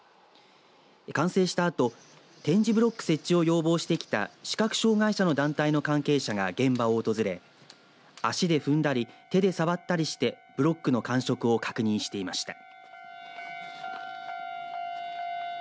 完成したあと点字ブロック設置を要望してきた視覚障害者の団体の関係者が現場を訪れ足で踏んだり、手で触ったりしてブロックの感触を確認していました。